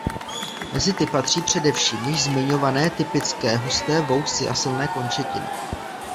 Mezi ty patří především již zmiňované typické husté vousy a silné končetiny.